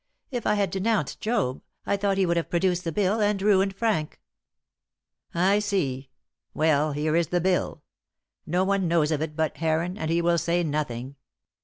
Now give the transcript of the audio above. If I had denounced Job, I thought he would have produced the bill and ruined Frank." "I see. Well, here is the bill. No one knows of it but Heron, and he will say nothing.